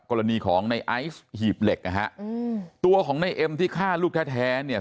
กรณีของในไอซ์หีบเหล็กนะฮะอืมตัวของในเอ็มที่ฆ่าลูกแท้แท้เนี่ย